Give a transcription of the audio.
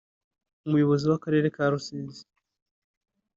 Umuyobozi w’Akarere ka Rusizi